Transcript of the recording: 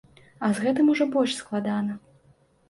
А з гэтым ужо больш складана.